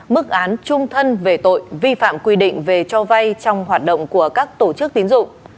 mức án trung thân về tội vi phạm quy định về cho vay trong hoạt động của các tổ chức tín dụng